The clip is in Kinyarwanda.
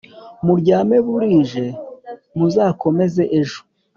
Muryame burije muzakomeze ejo